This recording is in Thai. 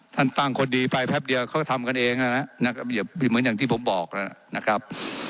ท่านตั้งคนดีไปแป๊บเดียวเขาก็ทำกันเองนะครับเหมือนอย่างที่ผมบอกนะครับ